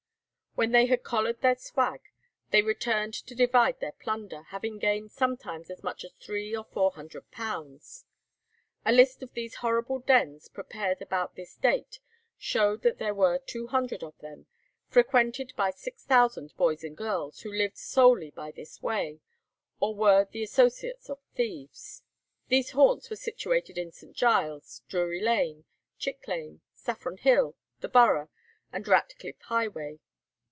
When they had "collared their swag," they returned to divide their plunder, having gained sometimes as much as three or four hundred pounds. A list of these horrible dens prepared about this date showed that there were two hundred of them, frequented by six thousand boys and girls, who lived solely by this way, or were the associates of thieves. These haunts were situated in St. Giles, Drury Lane, Chick Lane, Saffron Hill, the Borough, and Ratcliffe Highway.